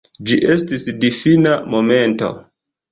Ĝi estis difina momento.